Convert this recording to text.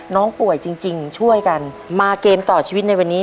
น้องป่วยจริงช่วยกันมาเกมต่อชีวิตในวันนี้